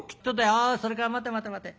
「ああそれから待て待て待て。